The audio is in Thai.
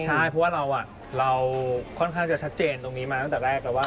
ใช่เพราะว่าเราค่อนข้างจะชัดเจนตรงนี้มาตั้งแต่แรกแล้วว่า